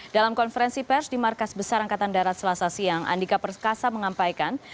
dalam konferensi pers di markas besar angkatan darat selasa siang andika perkasa mengampaikan